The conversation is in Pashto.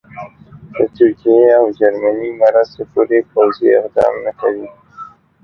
تر ترکیې او جرمني مرستې پورې پوځي اقدام نه کوي.